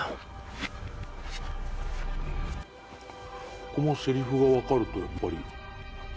ここもせりふが分かるとやっぱり。